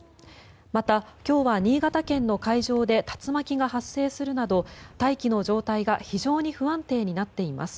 また、今日は新潟県の海上で竜巻が発生するなど大気の状態が非常に不安定になっています。